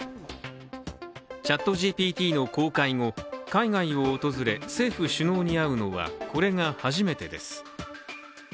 ＣｈａｔＧＰＴの公開後、海外を訪れ政府首脳に会うのは、これが初めてです。